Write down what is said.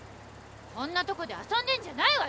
こんなとこで遊んでんじゃないわよ！